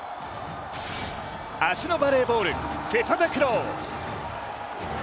足のバレーボール・セパタクロー。